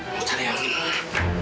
mau cari yang lain